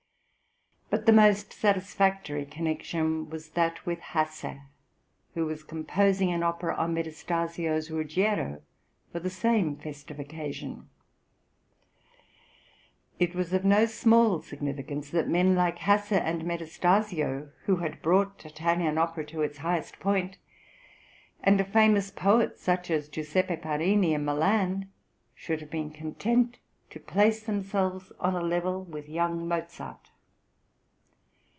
But the most satisfactory connection was that with Hasse, who was composing an opera on Metastasio's "Ruggiero," for the same festive occasion. It was of no small significance {THE ITALIAN TOUR.} (136) that men like Hasse and Metastasio, who had brought Italian opera to its highest point, and a famous poet, such as Gius. Parini, in Milan, should have been content to place themselves on a level with young Mozart.